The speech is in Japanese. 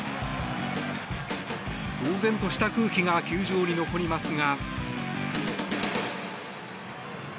騒然とした空気が球場に残りますが。